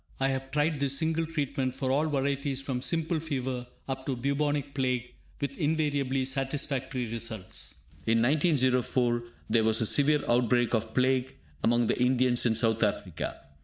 I have tried this single treatment for all varieties from simple fever up to Bubonic Plague, with invariably satisfactory results. In 1904, there was a severe outbreak of plague among the Indians in South Africa.